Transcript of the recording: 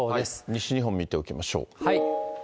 西日本見ておきましょう。